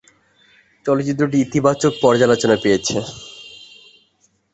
চলচ্চিত্রটি ইতিবাচক পর্যালোচনা পেয়েছে।